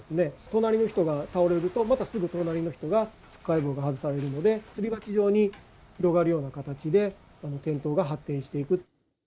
隣の人が倒れると、またすぐ隣の人がつっかえ棒が外されるので、すり鉢状に広がるような形で転倒が発展していく。